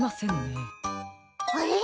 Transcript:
あれ？